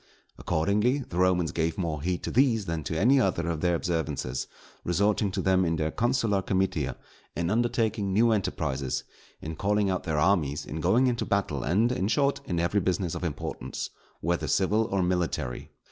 Accordingly, the Romans gave more heed to these than to any other of their observances; resorting to them in their consular comitia; in undertaking new enterprises; in calling out their armies; in going into battle; and, in short, in every business of importance, whether civil or military.